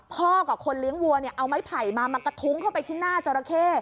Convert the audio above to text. กับคนเลี้ยงวัวเอาไม้ไผ่มามากระทุ้งเข้าไปที่หน้าจราเข้